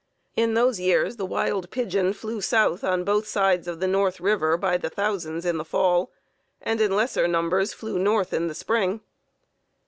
In those years the wild pigeon flew south on both sides of the North River by the thousands in the fall, and in lesser numbers flew north in the spring.